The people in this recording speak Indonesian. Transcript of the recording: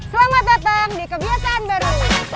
selamat datang di kebiasaan baru